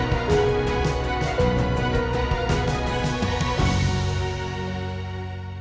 fejuari kita syengsili dia